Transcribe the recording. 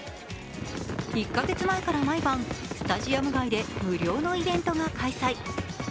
１か月前から毎晩、スタジアム外で無料のイベントが開催。